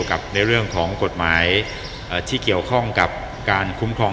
ในเรื่องของกฎหมายที่เกี่ยวข้องกับการคุ้มครอง